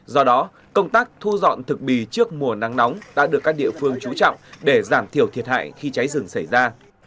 do đó công tác thu dọn thực bì trước mùa nắng nóng đã được các địa phương trú trọng để giảm thiểu thiệt hại khi cháy rừng xảy ra